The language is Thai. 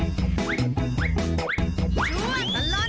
ชั่วตลอดตลาด